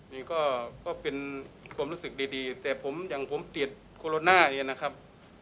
นี่ก็เป็นความรู้สึกดีแต่ผมอย่างผมติดโคโรนาเนี่ยนะครับ